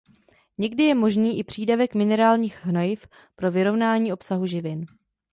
Někdy je možný i přídavek minerálních hnojiv pro vyrovnání obsahu živin.